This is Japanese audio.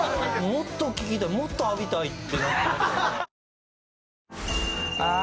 もっと聴きたいもっと浴びたいって。